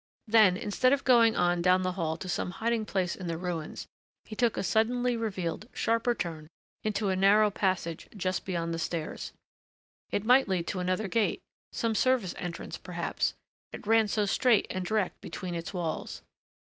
Then, instead of going on down the hall to some hiding place in the ruins, he took a suddenly revealed, sharper turn into a narrow passage just beyond the stairs. It might lead to another gate, some service entrance, perhaps, it ran so straight and direct between its walls.